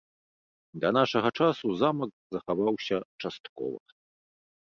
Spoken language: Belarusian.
Да нашага часу замак захаваўся часткова.